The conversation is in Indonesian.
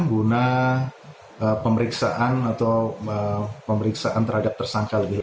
guna pemeriksaan atau pemeriksaan terhadap tersangka lagi